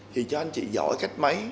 thì cho anh chị giỏi cách mấy